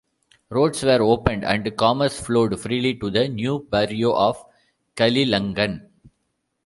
Roads were opened and commerce flowed freely to the new barrio of Kalilangan.